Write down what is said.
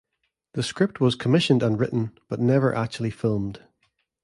The script was commissioned and written, but never actually filmed.